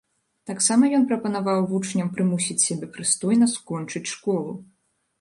Таксама ён прапанаваў вучням прымусіць сябе прыстойна скончыць школу.